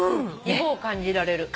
芋を感じられる。